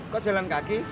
kok jalan kaki